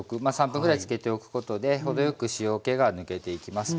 ３分ぐらいつけておくことで程よく塩けが抜けていきます。